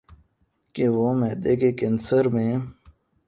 کہ وہ معدے کے کینسر میں